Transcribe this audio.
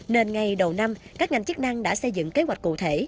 nên ngay đầu năm các ngành chức năng đã xây dựng kế hoạch cụ thể